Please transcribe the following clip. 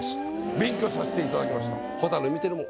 勉強させていただきました。